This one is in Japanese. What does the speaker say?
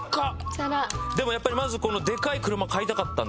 でもやっぱりまずこのでかい車買いたかったんだ？